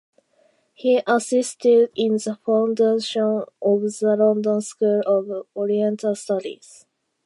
He assisted in the foundation of the London School of Oriental Studies.